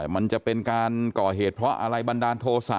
มันจะเป็นการก่อเหตุเพราะอะไรบันดาลโทษะ